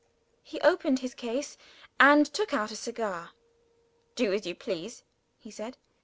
He opened his case, and took out a cigar. "Do as you please," he said.